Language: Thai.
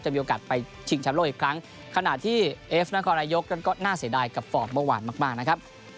มีโอกาสไปชิงแชมป์โลกอีกครั้งขณะที่เอฟนครนายกนั้นก็น่าเสียดายกับฟอร์มเมื่อวานมากมากนะครับ